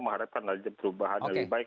mengharapkan perubahan lebih baik